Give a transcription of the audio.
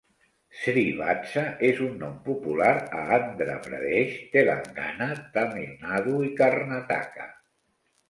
Srivatsa és un nom popular a Andhra Pradesh, Telangana, Tamil Nadu i Karnataka.